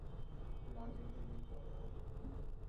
রাগের দেবীর মনেহয়।